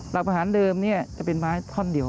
หลักอาหารเดิมจะเป็นไม้ท่อนเดียว